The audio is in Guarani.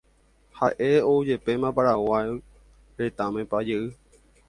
Haʼe oujepéma Paraguay Retãme pa jey.